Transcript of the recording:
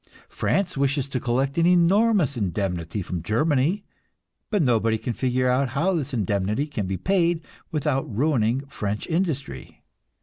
France wishes to collect an enormous indemnity from Germany, but nobody can figure out how this indemnity can be paid without ruining French industry.